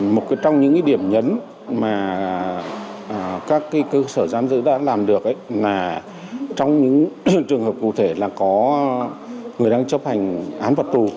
một trong những điểm nhấn mà các cơ sở giam giữ đã làm được là trong những trường hợp cụ thể là có người đang chấp hành án phạt tù